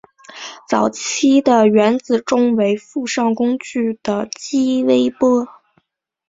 早期的原子钟为附上工具的激微波。